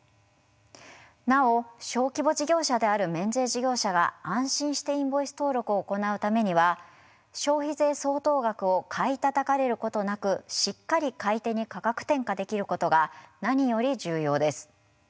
なお小規模事業者である免税事業者が安心してインボイス登録を行うためには消費税相当額を買いたたかれることなくしっかり買い手に価格転嫁できることが何より重要です。